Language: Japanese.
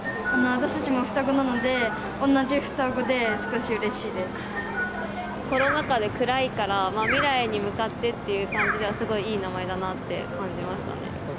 私たちも双子なので、同じ双コロナ禍で暗いから、未来に向かってっていう感じでは、すごいいい名前だなって感じましたね。